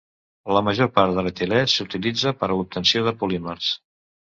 La major part de l'etilè s'utilitza per a l'obtenció de polímers.